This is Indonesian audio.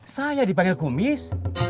saya dipanggil kumis